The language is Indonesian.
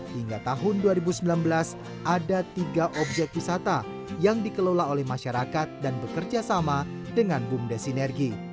hingga tahun dua ribu sembilan belas ada tiga objek wisata yang dikelola oleh masyarakat dan bekerja sama dengan bumdes sinergi